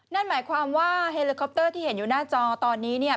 นั่นหมายความว่าเฮลิคอปเตอร์ที่เห็นอยู่หน้าจอตอนนี้เนี่ย